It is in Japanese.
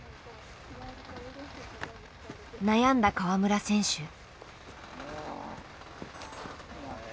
悩んだ川村選手。